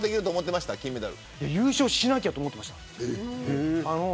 優勝しなきゃと思ってました。